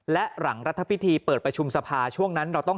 และหลังรัฐพิธีเปิดประชุมสภาช่วงนั้นเราต้อง